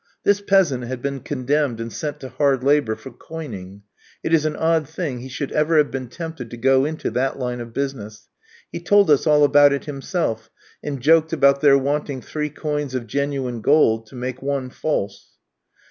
This peasant had been condemned and sent to hard labour for coining. It is an odd thing he should ever have been tempted to go into that line of business. He told us all about it himself, and joked about their wanting three coins of genuine gold to make one false.